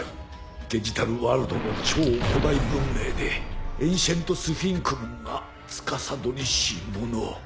デジタルワールドの超古代文明でエンシェントスフィンクモンがつかさどりしもの。